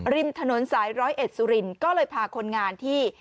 ริมถนนสายร้อยเอ็ดสุรินทร์ก็เลยพาคนงานที่